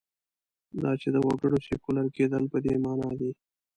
دا چې د وګړو سیکولر کېدل په دې معنا دي.